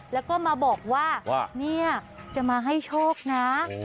แล้วก็มาบอกว่าเนี่ยจะมาให้โชคนะ